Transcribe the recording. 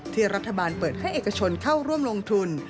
รัฐบาลเปิดให้เอกชนเข้าร่วมลงทุน